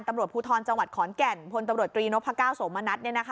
ตำรวจภูทรจังหวัดขอนแก่นพลตำรวจตรีนพก้าวโสมณัฐ